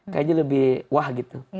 kayaknya lebih wah gitu